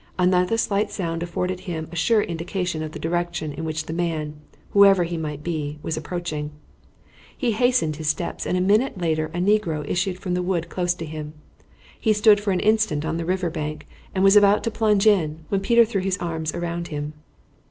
Another slight sound afforded him a sure indication of the direction in which the man, whoever he might be, was approaching. He hastened his steps, and a minute later a negro issued from the wood close to him. He stood for an instant on the river bank and was about to plunge in, when Peter threw his arms around him.